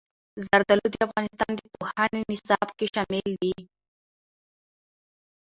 زردالو د افغانستان د پوهنې نصاب کې شامل دي.